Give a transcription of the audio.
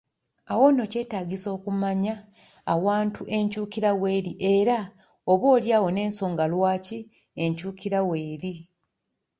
Awo nno kyetaagisa okumanya awantu enkyukira w’eri era oboolyawo n’ensonga lwaki enkyukira weeri.